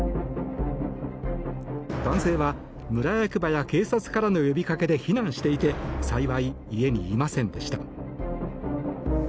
男性は、村役場や警察からの呼びかけで避難していて幸い、家にいませんでした。